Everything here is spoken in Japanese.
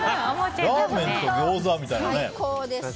ラーメンとギョーザみたいな。